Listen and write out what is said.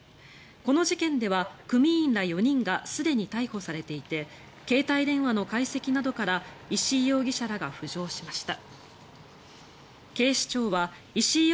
この事件では組員ら４人がすでに逮捕されていて携帯電話の解析などから石井容疑者らが浮上しました。